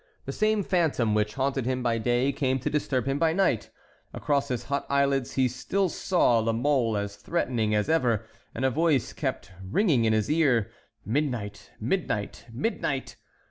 The same phantom which haunted him by day came to disturb him by night; across his hot eyelids he still saw La Mole as threatening as ever, and a voice kept repeating in his ear: "Midnight, midnight, midnight!"